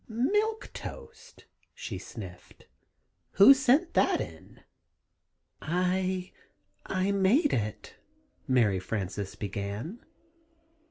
"Milk Toast," she sniffed. "Who sent that in?" "I I made it," Mary Frances began.